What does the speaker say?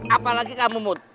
apalagi kamu mut